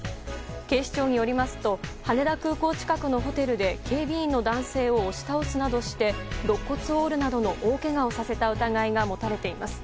警視庁によりますと羽田空港近くのホテルで警備員の男性を押し倒すなどして肋骨を折るなどの大けがをさせた疑いが持たれています。